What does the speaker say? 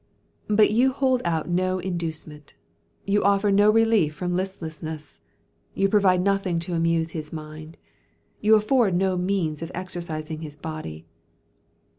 But you hold out no inducement, you offer no relief from listlessness, you provide nothing to amuse his mind, you afford him no means of exercising his body.